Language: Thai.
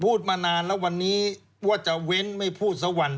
พูดมานานแล้ววันนี้ว่าจะเว้นไม่พูดสักวัน